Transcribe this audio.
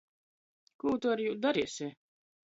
Kū tu ar jū dareisi?